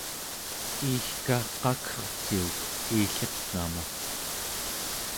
iigka qakerciuk iiliqngama